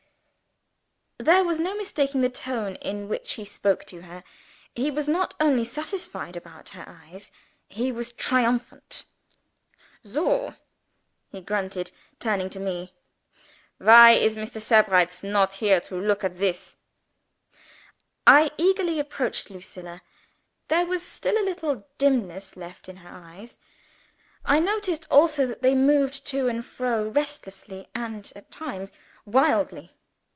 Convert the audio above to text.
There was no mistaking the tone in which he spoke to her. He was not only satisfied about her eyes he was triumphant. "Soh!" he grunted, turning to me. "Why is Mr. Sebrights not here to look at this?" I eagerly approached Lucilla. There was still a little dimness left in her eyes. I noticed also that they moved to and fro restlessly, and (at times) wildly.